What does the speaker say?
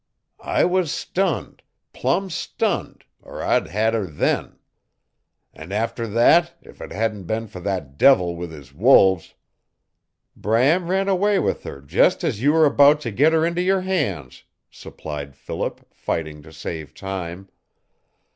I was stunned, plumb stunned, or I'd had her then. And after that, if it hadn't been for that devil with his wolves " "Bram ran away with her just as you were about to get her into your hands," supplied Philip, fighting to save time.